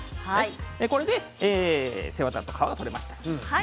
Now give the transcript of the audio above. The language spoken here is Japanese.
これで背わたと殻が取れました。